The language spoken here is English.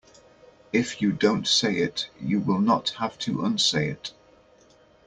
If you don't say it you will not have to unsay it.